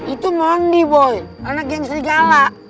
itu mondi woy anak geng serigala